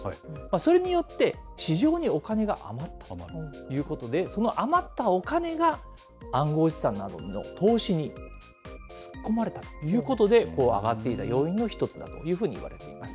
それによって、市場にお金が余ったということで、その余ったお金が暗号資産などへの投資に突っ込まれたということで、上がっている要因の一つだというふうにいわれています。